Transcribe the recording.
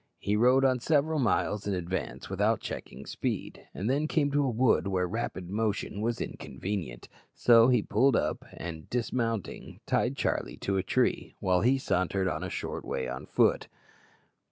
He rode on several miles in advance without checking speed, and then came to a wood where rapid motion was inconvenient; so he pulled up, and, dismounting, tied Charlie to a tree, while he sauntered on a short way on foot.